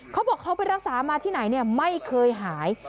เขาบอกเขาไปรักษามาที่ไหนไม่เคยหาย